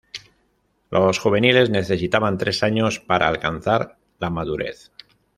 Los juveniles necesitan tres años para alcanzar la madurez.